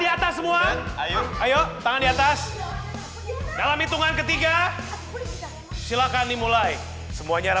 di atas semua ayo ayo tangan di atas dalam hitungan ketiga silakan dimulai semuanya